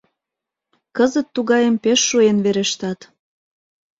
Кызыт тугайым пеш шуэн верештат.